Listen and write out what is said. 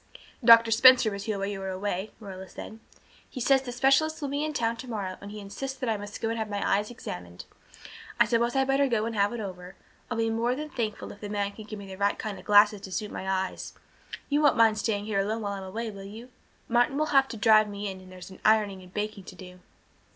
"Doctor Spencer was here while you were away," Marilla said. "He says that the specialist will be in town tomorrow and he insists that I must go in and have my eyes examined. I suppose I'd better go and have it over. I'll be more than thankful if the man can give me the right kind of glasses to suit my eyes. You won't mind staying here alone while I'm away, will you? Martin will have to drive me in and there's ironing and baking to do."